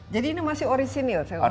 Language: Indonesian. jadi ini masih orisinil